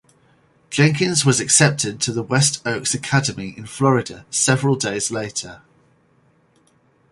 Jenkins was accepted to West Oaks Academy in Florida several days later.